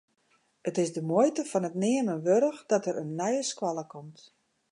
It is de muoite fan it neamen wurdich dat der in nije skoalle komt.